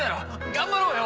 頑張ろうよ！